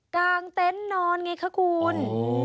งเต็นต์นอนไงคะคุณ